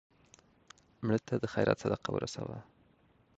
مړه ته د خیرات صدقه ورسوه